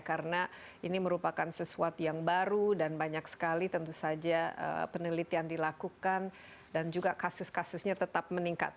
karena ini merupakan sesuatu yang baru dan banyak sekali tentu saja penelitian dilakukan dan juga kasus kasusnya tetap meningkat